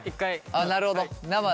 あっなるほど生ね。